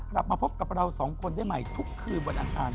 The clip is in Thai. กลับมาพบกับเราสองคนได้ใหม่ทุกคืนวันอังคาร